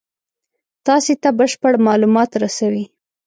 تاسې ته بشپړ مالومات رسوي.